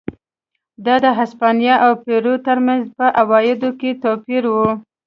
دا د هسپانیا او پیرو ترمنځ په عوایدو کې توپیر و.